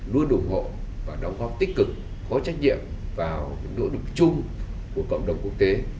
luôn ủng hộ và đóng góp tích cực có trách nhiệm vào nỗ lực chung của cộng đồng quốc tế